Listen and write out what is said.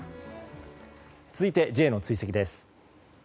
続いてＪの追跡です。